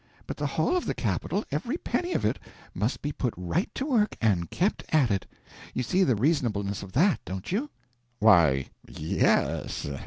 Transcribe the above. But the whole of the capital every penny of it must be put right to work, and kept at it. You see the reasonableness of that, don't you?" "Why, ye s.